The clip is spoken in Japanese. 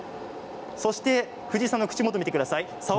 藤井さんの口元見てください。